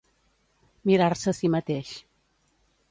Mirar-se a si mateix.